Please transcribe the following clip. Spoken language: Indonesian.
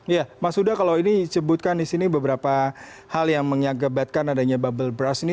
ya mas huda kalau ini disebutkan di sini beberapa hal yang mengagebatkan adanya bubble brush ini